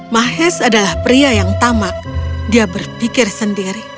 mahes adalah pria yang tamak dia berpikir sendiri